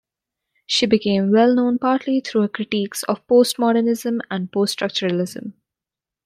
She became well known partly through her critiques of postmodernism and post-structuralism.